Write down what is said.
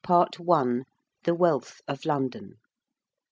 THE WEALTH OF LONDON.